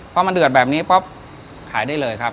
พอมันเดือดแบบนี้ปุ๊บขายได้เลยครับ